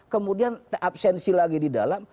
kemudian absensi lagi di dalam